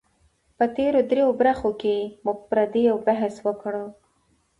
په تېرو دريو برخو کې مو پر دې بحث وکړ